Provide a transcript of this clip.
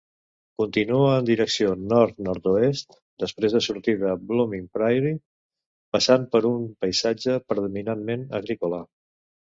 Continua en direcció nord-nord-oest després de sortir de Blooming Prairie, passant per un paisatge predominantment agrícola.